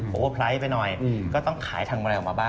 โหพล้ายไปหน่อยก็ต้องขายทางบรรยาออกมาบ้าง